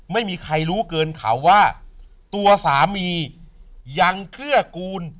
ไม่มีใครรู้เกินเขาว่าตัวสามียังเกื้อกูล